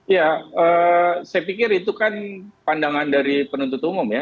ya saya pikir itu kan pandangan dari penuntut umum ya